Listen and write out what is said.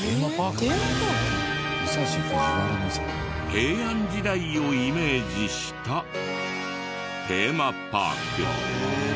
平安時代をイメージしたテーマパーク。